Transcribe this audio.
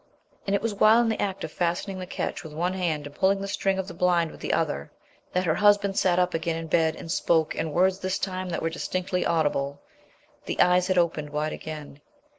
And it was while in the act of fastening the catch with one hand and pulling the string of the blind with the other, that her husband sat up again in bed and spoke in words this time that were distinctly audible. The eyes had opened wide again.